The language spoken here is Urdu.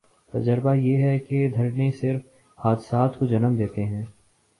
تجربہ یہ ہے کہ دھرنے صرف حادثات کو جنم دیتے ہیں۔